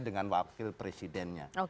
dengan wakil presidennya